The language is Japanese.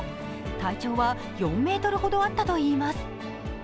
体長は４ｍほどあったといいます。